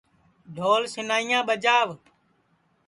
ڈھول سینائیاں ٻجاؤ